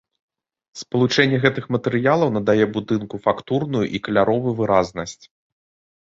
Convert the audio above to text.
Спалучэнне гэтых матэрыялаў надае будынку фактурную і каляровую выразнасць.